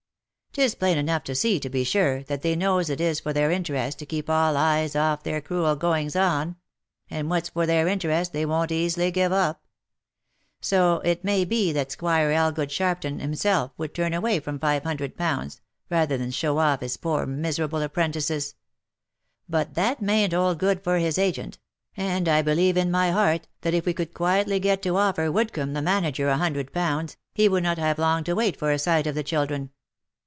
Tis plain enough to see, to be sure, that they knows it is for their interest to keep all eyes off their cruel goings on — and what's for their interest they won't easily give up. — So it may be that squire Elgood Sharpton himself would turn away from five hundred pounds, rather than show off his poor miserable apprentices. — But that mayn't hold good for his agent, and I believe in my heart that, if we could quietly get to offer Woodcomb the manager a hundred pounds, you would not have long to wait for a sight of the children."